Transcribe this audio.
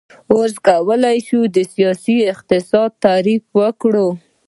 اوس کولی شو د سیاسي اقتصاد تعریف وکړو.